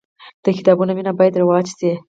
د کتابونو مینه باید رواج سي.